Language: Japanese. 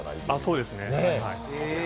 そうですね。